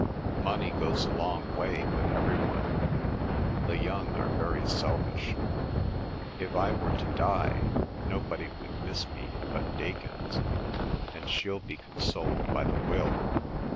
Money goes a long way with every one. The young are very selfish. If I were to die, nobody would miss me but Dakyns, and she'll be consoled by the will!